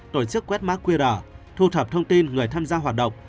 tổ chức quét mã qr thu thập thông tin người tham gia hoạt động